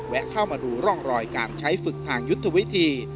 เข้ามาดูร่องรอยการใช้ฝึกทางยุทธวิธี